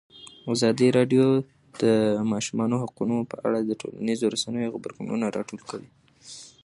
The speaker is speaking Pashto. ازادي راډیو د د ماشومانو حقونه په اړه د ټولنیزو رسنیو غبرګونونه راټول کړي.